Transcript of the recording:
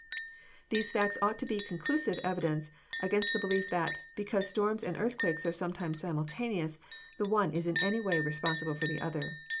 These facts ought to be conclusive evidence against the belief that, because storms and earthquakes are sometimes simultaneous, the one is in any way responsible for the other.